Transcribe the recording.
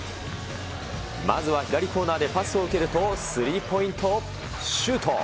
まずは左コーナーでパスを受けるとスリーポイントシュート。